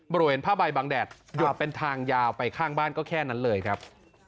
บริเวณผ้าใบบางแดดหยดเป็นทางยาวไปข้างบ้านก็แค่นั้นเลยครับ